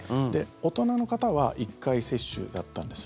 大人の方は１回接種だったんです。